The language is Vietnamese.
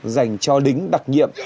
dành cho đính đặc nhiệm